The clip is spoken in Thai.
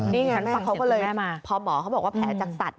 นี่ไงพอหมอเขาบอกว่าแผลจากสัตว์